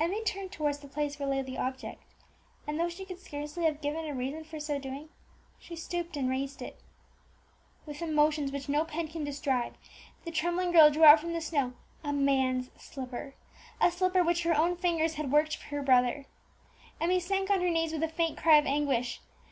Emmie turned towards the place where lay the object, and, though she could scarcely have given a reason for so doing, she stooped and raised it. With emotions which no pen can describe, the trembling girl drew out from the snow a man's slipper a slipper which her own fingers had worked for her brother! Emmie sank on her knees with a faint cry of anguish.